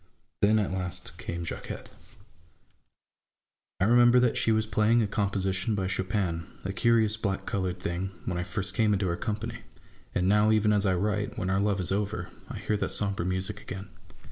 Then, at last, came Jacquette. MY ENEMY AND MYSELF. 63 I remember that she was playing a com position by Chopin, a curious black coloured thing, when I first came into her company ; and now, even as I write, when our love is over, I hear that sombre music again.